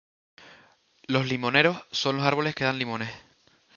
Los limoneros son los árboles que dan limones.